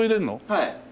はい。